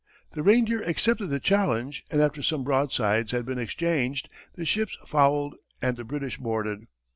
The Reindeer accepted the challenge, and after some broadsides had been exchanged, the ships fouled and the British boarded.